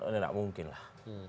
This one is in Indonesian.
nggak mungkin lah